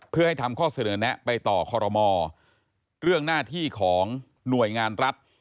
เพื่อให้ทำข้อเสนอแนะไปต่อคอรมอเรื่องหน้าที่ของหน่วยงานรัฐ